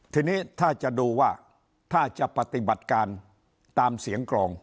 ทีนี้ถ้าจะดูว่าถ้าจะปฏิบัติการตามเสียงกรอง